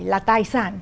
là tài sản